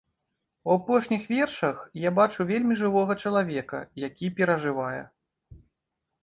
У апошніх вершах я бачу вельмі жывога чалавека, які перажывае.